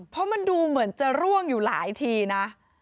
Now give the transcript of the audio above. เพราะมันดูเหมือนจะร่วงอยู่หลายทีนะ